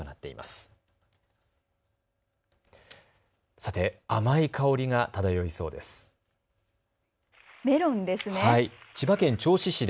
さて、甘い香りが漂いそうです。